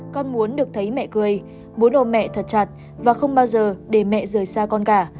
con muốn được thấy mẹ cười bố đồ mẹ thật chặt và không bao giờ để mẹ rời xa con cả